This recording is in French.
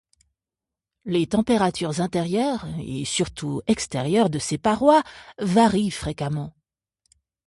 Les températures intérieures et surtout extérieures de ces parois varient fréquemment.